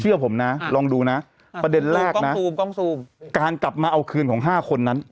เชื่อผมน่ะลองดูน่ะประเด็นแรกน่ะกล้องซูมกล้องซูมการกลับมาเอาคืนของห้าคนนั้น